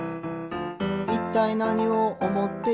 「いったい何を思っているのか」